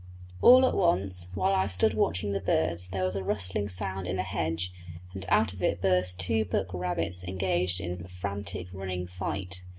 All at once, while I stood watching the birds there was a rustling sound in the hedge, and out of it burst two buck rabbits engaged in a frantic running fight.